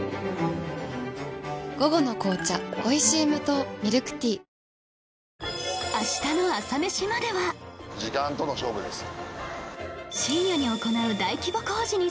午後の紅茶おいしい無糖ミルクティーオッケーですか？